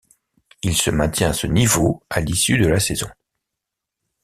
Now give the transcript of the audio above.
Il se maintient à ce niveau à l'issue de la saison.